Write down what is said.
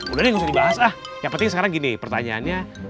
udah deh nggak usah dibahas ah yang penting sekarang gini pertanyaannya